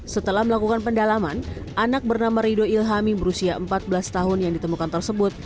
setelah melakukan pendalaman anak bernama rido ilhami berusia empat belas tahun yang ditemukan tersebut